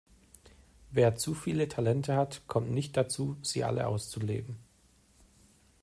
Wer zu viele Talente hat, kommt nicht dazu, sie alle auszuleben.